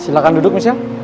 silahkan duduk michelle